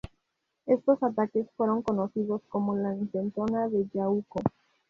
Estos ataques fueron conocidos como la Intentona de Yauco.